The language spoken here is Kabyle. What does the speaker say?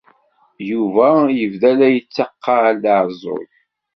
Yuba yebda la yetteqqal d aɛeẓẓug.